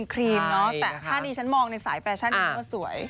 แต่ถ้าดิฉันมองในสายแฟชั่นนี่ก็สวย